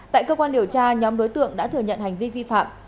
tại cơ quan điều tra nhóm đối tượng đã thừa nhận hành vi vi phạm